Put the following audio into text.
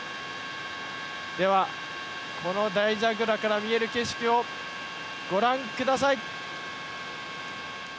ではこの大蛇ぐらから見える景色をご覧ください。